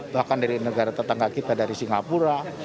bahkan dari negara tetangga kita dari singapura